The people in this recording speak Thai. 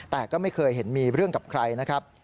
แต่ก็ไม่เคยเห็นมีเรื่องกับใครนะครับ